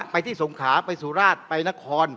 ไปที่สงขาไปสุราชไปนคร